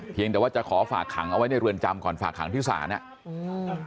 แต่ว่าจะขอฝากขังเอาไว้ในเรือนจำก่อนฝากขังที่ศาลอ่ะอืม